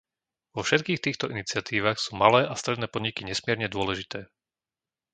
Vo všetkých týchto iniciatívach sú malé a stredné podniky nesmierne dôležité.